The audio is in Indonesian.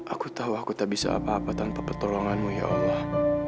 aku tahu aku tak bisa apa apa tanpa pertolonganmu ya allah